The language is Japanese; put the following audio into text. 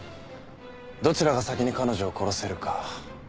どちらが先に彼女を殺せるか。